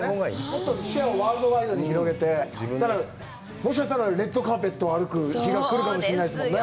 もっと視野をワールドワイドに広げて、もしかしたら、レッドカーペットを歩く日が来るかもしれないですね。